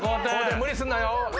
無理すんなよ。